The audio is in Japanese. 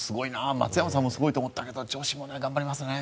松山さんもすごいと思ったけど女子、頑張りますね。